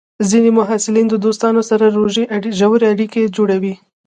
ځینې محصلین د دوستانو سره ژورې اړیکې جوړوي.